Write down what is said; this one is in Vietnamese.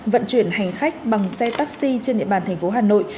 vận chuyển hành khách bằng xe taxi trên địa bàn thành phố hà nội